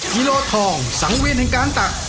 กิโลทองสังเวียนแห่งการตัก